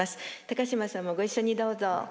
高島さんもご一緒にどうぞ。